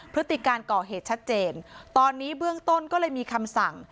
พฤติการก่อเหตุชัดเจนตอนนี้เบื้องต้นก็เลยมีคำสั่ง